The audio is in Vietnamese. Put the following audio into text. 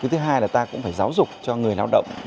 thứ hai là ta cũng phải giáo dục cho người lao động